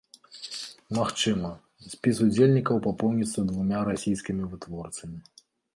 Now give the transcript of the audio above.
Магчыма, спіс удзельнікаў папоўніцца двума расійскімі вытворцамі.